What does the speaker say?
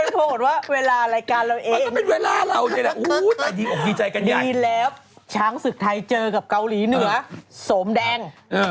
เป็นโทษว่าเวลารายการเราเองดีแล้วช้างศึกไทยเจอกับเกาหลีเหนือโสมแดง